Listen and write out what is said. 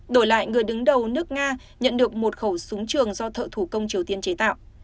đổi lại người đứng đầu nước nga nhận được một khẩu súng trường do thợ thủ công triều tiên chế tạo